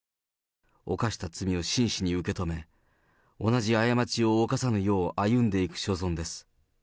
犯した罪を真摯に受け止め、同じ過ちを犯さぬよう歩んでいく所存です。